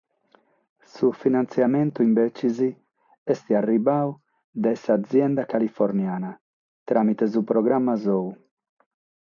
Su finantziamentu imbetzes est arribadu dae s'azienda californiana, tràmite su programa suo.